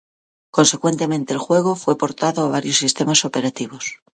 Consecuentemente el juego fue portado a varios sistemas operativos.